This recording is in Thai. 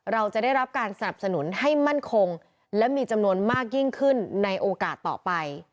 เราจะได้รับการสนับสนุนให้มั่นคงและมีจำนวนมากยิ่งขึ้นในโอกาสต่อไป